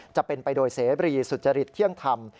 จะเป็นไปโดยเสบรีสุจริตเที่ยงธรรม